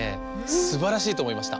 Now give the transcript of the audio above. すばらしいとおもいました！